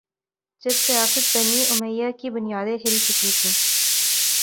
جب سیاست بنی امیہ کی بنیادیں ہل چکی تھیں